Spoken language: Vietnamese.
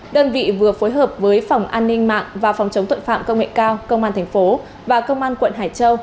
đơn vị vừa phối hợp với phòng an ninh mạng và phòng chống tội phạm công nghệ cao công an tp và công an quận hải châu